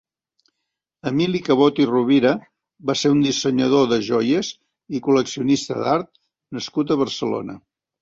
Emili Cabot i Rovira va ser un dissenyador de joies i col·leccionista d'art nascut a Barcelona.